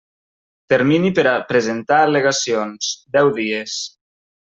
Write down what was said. Termini per a presentar al·legacions: deu dies.